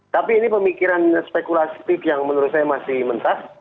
tapi ini pemikiran spekulatif yang menurut saya masih mentah